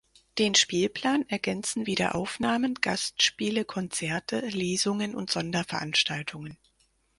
Den Spielplan ergänzen Wiederaufnahmen, Gastspiele, Konzerte, Lesungen und Sonderveranstaltungen.